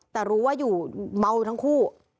แต่รู้ว่าอยู่เมาทั้งคู่